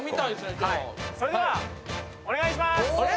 今日それではお願いしますえっ？